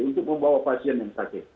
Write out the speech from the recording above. untuk membawa pasien yang sakit